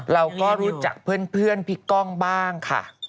เราก็รู้จักเพื่อนพี่ก้องบ้างค่ะ